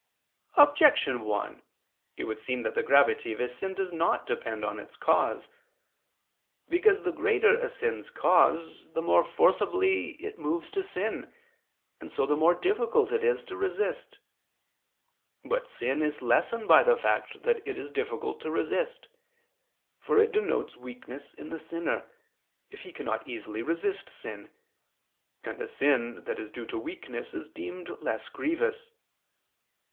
Objection 1: It would seem that the gravity of a sin does not depend on its cause. Because the greater a sin's cause, the more forcibly it moves to sin, and so the more difficult is it to resist. But sin is lessened by the fact that it is difficult to resist; for it denotes weakness in the sinner, if he cannot easily resist sin; and a sin that is due to weakness is deemed less grievous.